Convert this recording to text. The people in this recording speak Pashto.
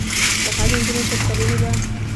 د ښار د نجونو پر سرونو به ،